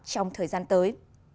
trong thời gian tới